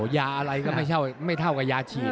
ยาอะไรก็ไม่เท่ากับยาฉีด